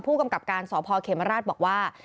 ผู้กำกับการสพเขมราชบอกว่า